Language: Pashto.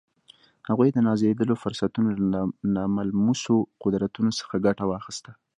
هغوی د نازېږېدلو فرصتونو له ناملموسو قدرتونو څخه ګټه واخیسته